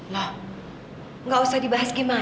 nah nggak usah dibahas gimana